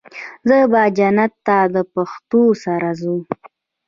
زه به جنت ته د پښتو سره ځو